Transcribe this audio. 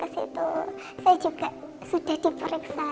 saya juga sudah diperiksa